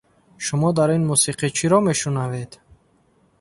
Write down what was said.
Шумо дар ин мусиқӣ чиро мешунавед?